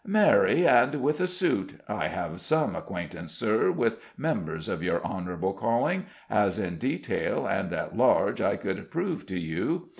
"Marry, and with a suit. I have some acquaintance, Sir, with members of your honourable calling, as in detail and at large I could prove to you.